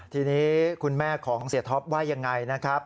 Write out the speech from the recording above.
ทีนี้คุณแม่ของเสียท็อปว่ายังไงนะครับ